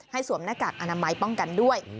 สวมหน้ากากอนามัยป้องกันด้วย